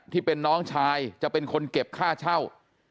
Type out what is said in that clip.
ที่เป็นน้องชายจะเป็นคนเก็บค่าเช่า